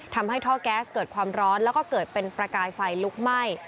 ทำให้ท่อแก๊สเกิดความร้อนแล้วก็เกิดเป็นประกายไฟลุกไหม้